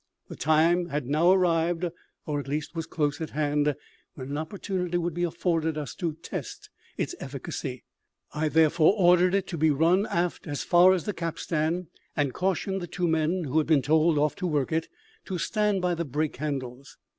The time had now arrived, or at least was close at hand, when an opportunity would be afforded us to test its efficacy; I therefore ordered it to be run aft as far as the capstan, and cautioned the two men, who had been told off to work it, to stand by the brake handles.